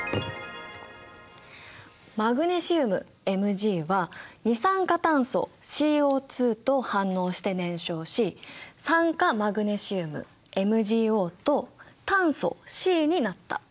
マグネシウムＭｇは二酸化炭素ＣＯと反応して燃焼し酸化マグネシウムＭｇＯと炭素Ｃになった。